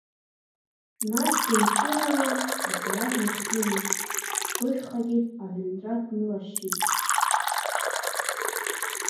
Нас дынхьынаан, атәара днахыҩрит, ԥышәхагьы аҳәынҵәа днылашьшьит.